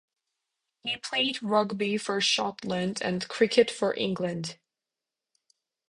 He played rugby for Scotland and cricket for England.